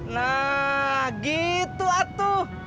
nah gitu atuh